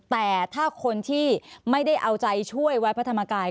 แต่ถ้าคนที่ไม่ได้เอาใจช่วยวัดพระธรรมกาย